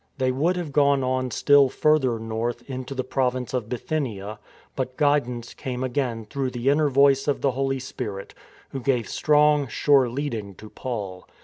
They would have gone on still further north into the Province of Bithynia, but guidance came again through the inner Voice of the Holy Spirit, who gave strong, sure leading to Paul.